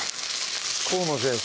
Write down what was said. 河野先生